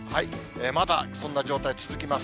まだこんな状態続きます。